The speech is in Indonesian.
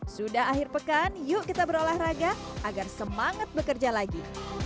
sudah akhir pekan yuk kita berolahraga agar semangat bekerja lagi